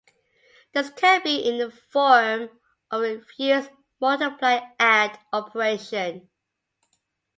This can be in the form of a fused multiply-add operation.